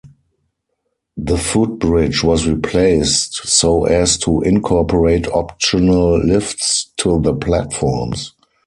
The footbridge was replaced so as to incorporate optional lifts to the platforms.